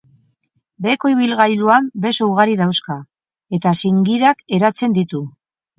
Beheko ibilguan beso ugari dauzka eta zingirak eratzen ditu.